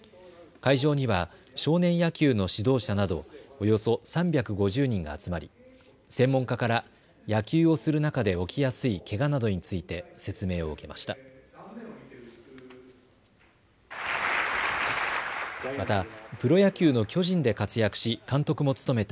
会場には少年野球の指導者などおよそ３５０人が集まり専門家から野球をする中で起きやすいけがなどについて説明を受けました。